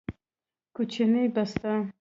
کوچنۍ بسته